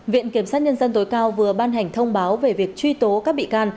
viện kiểm sát nhân dân tối cao vừa ban hành thông báo về việc truy tố các bị can